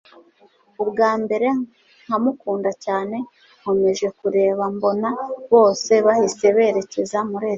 ubwambere nkamukunda cyane, nkomeje kureba mbona bose bahise berekeza muri etage